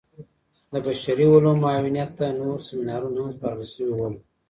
د بشري علومو معاونيت ته نور سيمينارونه هم سپارل سوي ول.